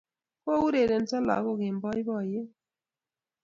Kourerenso lagok eng' poipoiyet